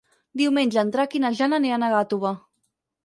Diumenge en Drac i na Jana aniran a Gàtova.